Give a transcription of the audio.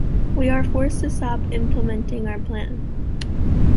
We are forced to stop implementing our plan.